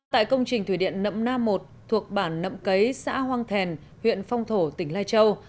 tại công trình thủy điện nậm na một thuộc bản nậm cấy xã hoang thèn huyện phong thổ tỉnh lai châu